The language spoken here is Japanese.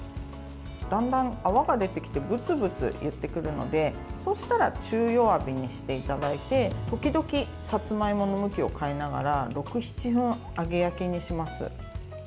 だんだん泡が出てきてグツグツいってくるのでそうしたら中弱火にしていただいて時々、さつまいもの向きを変えながら６７分揚げ焼きにします。